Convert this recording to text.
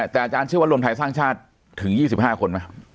แต่อาจารย์เชื่อว่ารวมไทยสร้างชาติถึง๒๕คนไหม